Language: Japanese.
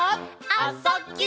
「あ・そ・ぎゅ」